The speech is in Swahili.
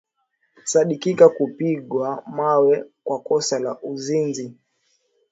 sadikika kupigwa mawe kwa kosa la uzinzi